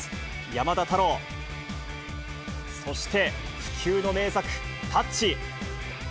山田太郎、そして、不朽の名作、タッチ。